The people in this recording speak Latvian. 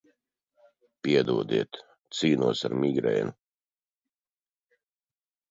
Piedodiet, cīnos ar migrēnu.